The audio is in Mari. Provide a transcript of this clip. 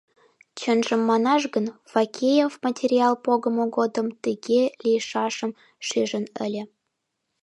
Чынжым манаш гын, Фокеев материал погымо годымак тыге лийшашым шижын ыле.